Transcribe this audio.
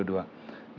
nah dalam modusnya